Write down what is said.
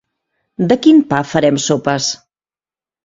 De quin pa farem sopes?